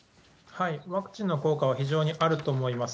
ワクチンの効果は非常にあると思います。